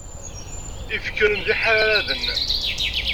Ifekren d iḥraraden.